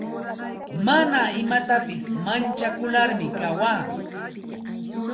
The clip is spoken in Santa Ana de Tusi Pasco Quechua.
Mana imapitasi manchakularmi kawaa.